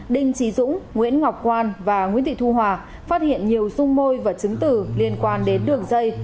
đinh trí dũng nguyễn ngọc quan và nguyễn thị thu hòa phát hiện nhiều sung môi và chứng từ liên quan đến đường dây